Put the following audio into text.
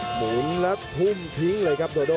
หมุนแล้วทุ่มทิ้งเลยครับโดโด